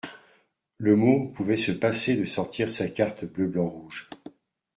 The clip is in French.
Le môme pouvait se passer de sortir sa carte bleu blanc rouge.